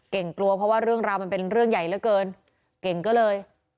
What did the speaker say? กลัวเพราะว่าเรื่องราวมันเป็นเรื่องใหญ่เหลือเกินเก่งก็เลย